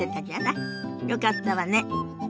よかったわね。